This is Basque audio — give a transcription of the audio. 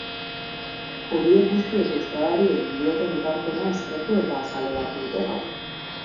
Horiek guztiek euskarari egin dioten ekarpena eskertu eta azaleratu dute gaur.